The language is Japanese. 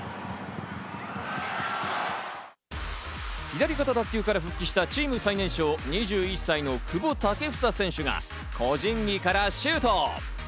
左肩脱臼から復帰したチーム最年少、２１歳の久保建英選手が個人技からシュート。